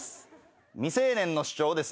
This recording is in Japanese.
未成年の主張をですね